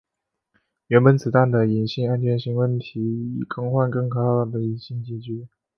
原本子弹的引信安全型问题以更换更可靠的引信解决。